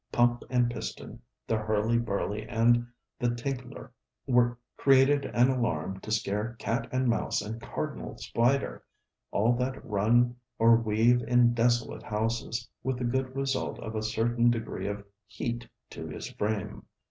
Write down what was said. Pump and piston, the hurly burly and the tinkler created an alarm to scare cat and mouse and Cardinal spider, all that run or weave in desolate houses, with the good result of a certain degree of heat to his frame.